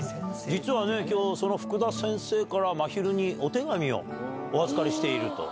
実はきょう、その福田先生から、まひるにお手紙をお預かりしていると。